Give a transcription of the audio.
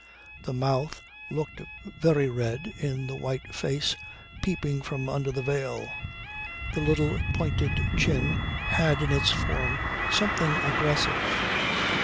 The mouth looked very red in the white face peeping from under the veil, the little pointed chin had in its form something aggressive.